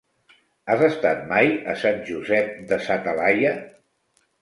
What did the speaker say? Has estat mai a Sant Josep de sa Talaia?